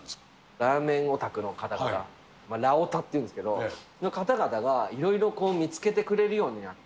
ラーメンオタクの方々、ラヲタって言うんですけど、の方々が、色々見つけてくれるようになって。